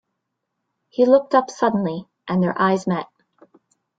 He looked up suddenly, and their eyes met.